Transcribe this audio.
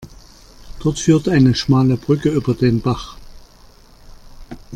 Dort führt eine schmale Brücke über den Bach.